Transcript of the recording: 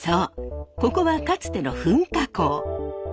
そうここはかつての噴火口。